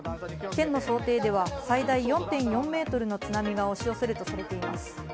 県の想定では最大４．４ｍの津波が押し寄せるとされています。